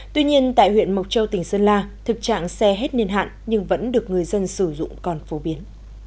tuy nhiên tại huyện mộc châu tỉnh sơn la thực trạng xe hết niên hạn nhưng vẫn được người dân sử dụng còn phổ biến